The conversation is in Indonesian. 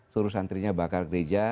suruh santrinya bakar gereja